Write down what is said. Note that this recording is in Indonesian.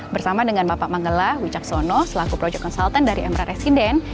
bersama dengan bapak manggela wicaksono selaku proyek konsultan dari emeral resident